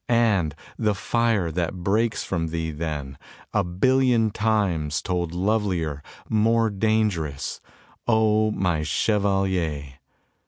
AND the fire that breaks from thee then, a billion Times told lovelier, more dangerous, O my chevalier!